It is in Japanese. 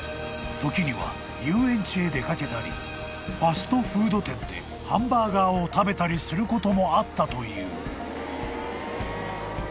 時には遊園地へ出掛けたりファストフード店でハンバーガーを食べたりすることもあったという］